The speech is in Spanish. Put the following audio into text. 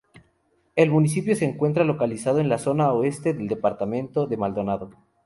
El municipio se encuentra localizado en la zona oeste del departamento de Maldonado.